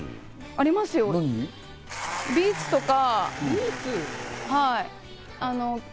ありますよ、ビーツとか。